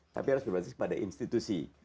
tapi harus berbasis pada institusi